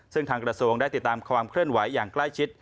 ซึ่งทางกระทรวงได้ติดตามความเคลื่อนไหวอย่างใกล้ชิด